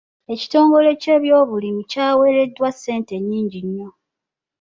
Ekitongole ky'ebyobulimi kyaweereddwa ssente nnyingi nnyo.